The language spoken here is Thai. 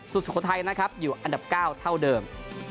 สุโขทัยนะครับอยู่อันดับ๙เท่าเดิม